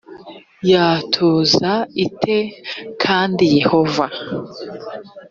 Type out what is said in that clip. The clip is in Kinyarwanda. yatuza ite kandi yehova